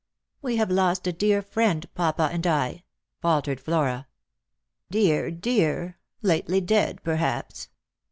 " We have lost a dear friend, papa and I," faltered Flora. " Dear, dear ! Lately dead, perhaps."